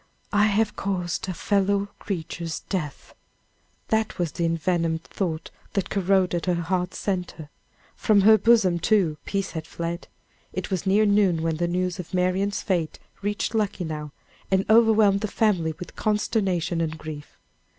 "I have caused a fellow creature's death!" That was the envenomed thought that corroded her heart's centre. From her bosom, too, peace had fled. It was near noon when the news of Marian's fate reached Luckenough, and overwhelmed the family with consternation and grief.